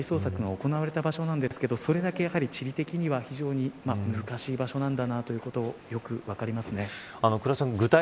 当時はもちろん、ここは大捜索が行われた場所なんですがそれだけ地理的には非常に難しい場所なんだなということがよく分かります。